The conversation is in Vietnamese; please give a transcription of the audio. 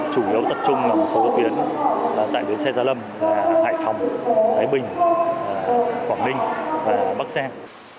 chủ yếu tập trung vào một số hợp biến tại đường xe gia lâm là hải phòng thái bình quảng ninh và bắc giang